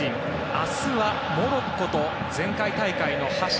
明日はモロッコと前回大会の覇者